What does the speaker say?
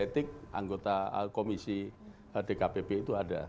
kode etik anggota komisi dkpb itu ada